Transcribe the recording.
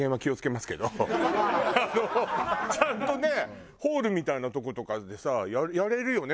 ちゃんとねホールみたいなとことかでさやれるよね